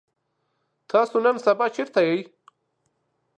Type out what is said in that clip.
تاسو نن سبا چرته يئ؟